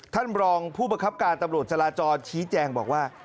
ท่านรองผู้ประคับการตำรวจจราจรชี้แจงบอกว่า